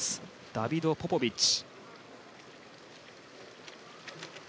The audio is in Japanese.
ダビド・ポポビッチ。